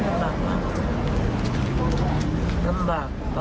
หลายโคตร